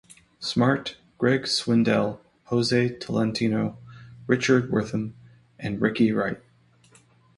Smart, Greg Swindell, Jose Tolentino, Richard Wortham, and Ricky Wright.